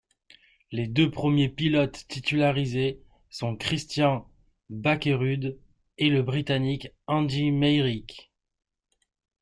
Les deux premiers pilotes titularisés sont Christian Bakkerud et le britannique Andy Meyrick.